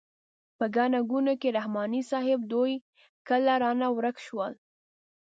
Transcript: په ګڼه ګوڼه کې رحماني صیب دوی کله رانه ورک شول.